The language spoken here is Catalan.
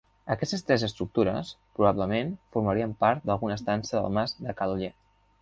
Aquestes tres estructures, probablement, formarien part d'alguna estança del mas de Ca l'Oller.